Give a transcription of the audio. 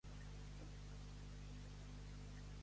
Qui era Maria Josepa Quer Ivern?